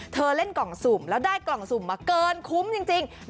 เธอเล่นกล่องสุ่มแล้วได้กล่องสุ่มมาเกินคุ้มจริงได้อะไรบ้าง